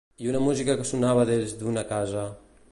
I una música que sonava des d'una casa...